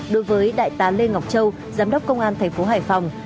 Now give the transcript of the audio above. đối với đại tá lê ngọc châu giám đốc công an tp hải phòng